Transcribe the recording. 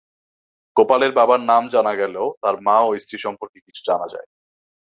গোপালের বাবার নাম জানা গেলেও তার মা ও স্ত্রী সম্পর্কে কিছু জানা যায়নি।